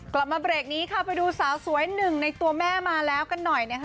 กลับมาเบรกนี้ค่ะไปดูสาวสวยหนึ่งในตัวแม่มาแล้วกันหน่อยนะคะ